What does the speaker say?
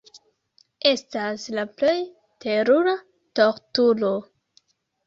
Estas la plej terura torturo.